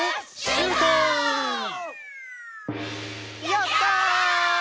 「やったー！！」